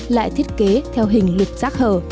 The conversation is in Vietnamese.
lại thiết kế theo hình lục rác hở